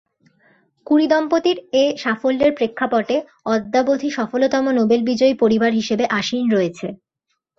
Curie দম্পতির এ সাফল্যের প্রেক্ষাপটে অদ্যাবধি সফলতম নোবেল বিজয়ী পরিবার হিসেবে আসীন রয়েছে।